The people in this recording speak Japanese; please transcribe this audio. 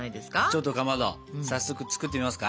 ちょっとかまど早速作ってみますか。